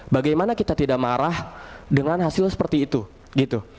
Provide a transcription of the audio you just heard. bagaimana kita tidak marah dengan hasil seperti itu gitu